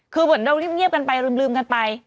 คือเหมือนเราเงียบกันไปลืมกันไป